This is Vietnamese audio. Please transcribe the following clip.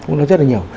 nó rất là nhiều